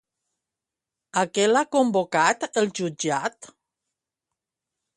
A què l'ha convocat el jutjat?